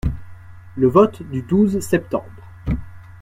Le vote du douze septembre.